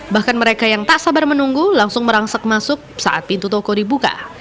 bahkan mereka yang tak sabar menunggu langsung merangsak masuk saat pintu toko dibuka